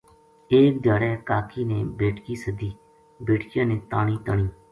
ایک دھیاڑے کا کی نے بیٹکی سدی بیٹکیاں نے تا نی تنی